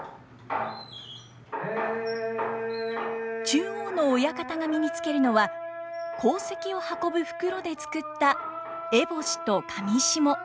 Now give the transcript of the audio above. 中央の親方が身に着けるのは鉱石を運ぶ袋で作った烏帽子と裃。